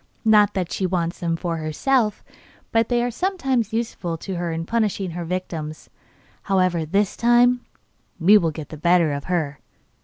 Not that she wants them for herself, but they are sometimes useful to her in punishing her victims. However, this time we will get the better of her.